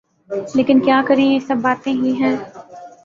لیکن کیا کریں یہ سب باتیں ہی ہیں۔